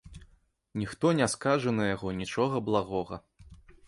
Ніхто не скажа на яго нічога благога.